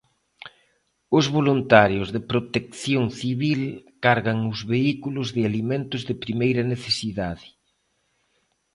Os voluntarios de Protección Civil cargan os vehículos de alimentos de primeira necesidade.